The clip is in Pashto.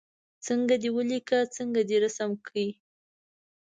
څنګه دې ولیکه څنګه دې رسم کړ.